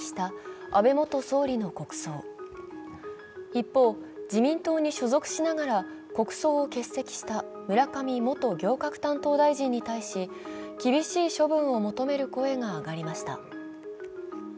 一方、自民党に所属しながら国葬を欠席した村上元行革担当大臣に対し、厳しい処分を求める声が上がりました。